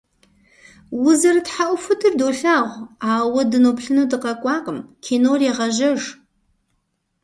Узэрытхьэӏухудыр долъагъу, ауэ уэ дыноплъыну дыкъэкӏуакъым, кинор егъэжьэж.